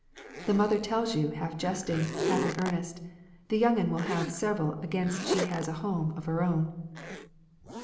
The mother tells you half jesting, half in earnest, 'the young un will have several ag'inst she has a home of her own.'